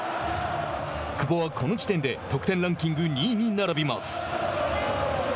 久保はこの時点で得点ランキング２位に並びます。